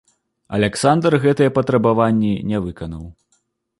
Аляксандр гэтыя патрабаванні не выканаў.